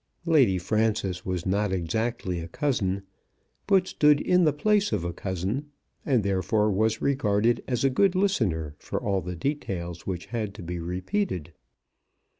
Lady Frances was not exactly a cousin, but stood in the place of a cousin, and therefore was regarded as a good listener for all the details which had to be repeated.